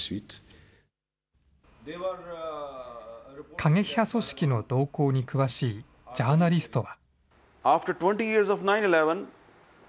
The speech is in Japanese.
過激派組織の動向に詳しいジャーナリストは。